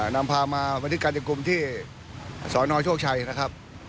นำพามาบริษัทกาศิกรุมที่สนโชคชัยนะครับ